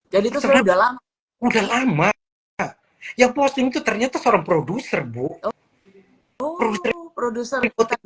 jadi terlebih dalam udah lama yang posting itu ternyata seorang produser bu produser